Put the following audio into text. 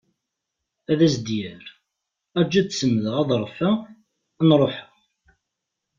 Ad as-d-yerr: Arju ad semdeɣ aḍref-a ad n-ruḥeɣ.